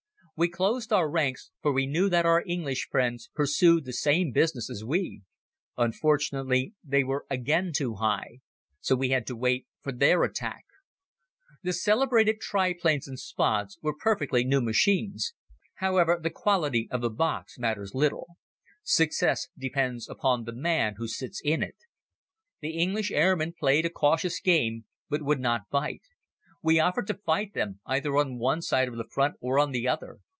We closed our ranks for we knew that our English friends pursued the same business as we. Unfortunately, they were again too high. So we had to wait for their attack. The celebrated triplanes and Spads were perfectly new machines. However, the quality of the box matters little. Success depends upon the man who sits in it. The English airmen played a cautious game but would not bite. We offered to fight them, either on one side of the front or on the other.